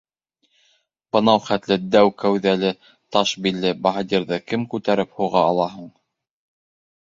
Бынауы хәтле дәү кәүҙәле, таш билле баһадирҙы кем күтәреп һуға алһын һуң?!